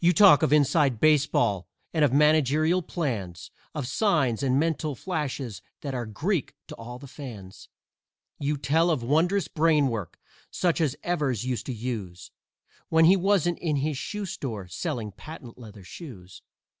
_) You talk of "inside" baseball and of managerial plans, Of signs and mental flashes that are Greek to all the fans; You tell of wondrous brainwork, such as Evers used to use When he wasn't in his shoe store, selling patent leather shoes.